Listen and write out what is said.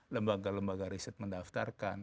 lembaga lembaga riset mendaftarkan